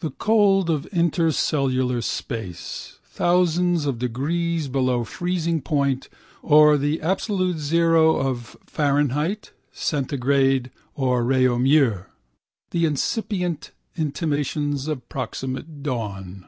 The cold of interstellar space, thousands of degrees below freezing point or the absolute zero of Fahrenheit, Centigrade or Réaumur: the incipient intimations of proximate dawn.